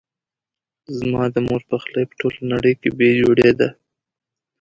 زما د مور پخلی په ټوله نړۍ کې بي جوړي ده